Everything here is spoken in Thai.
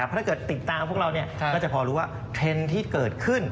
ถ้าเกิดติดตามพวกเราก็จะพอรู้ว่าเทรนด์ที่เกิดขึ้น